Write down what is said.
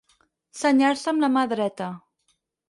Senyar-se amb la mà dreta.